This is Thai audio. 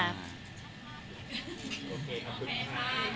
ขอบคุณค่ะ